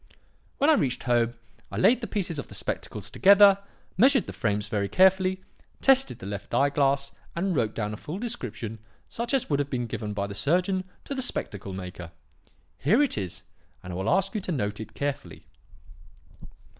"When I reached home, I laid the pieces of the spectacles together, measured the frames very carefully, tested the left eye glass, and wrote down a full description such as would have been given by the surgeon to the spectacle maker. Here it is, and I will ask you to note it carefully.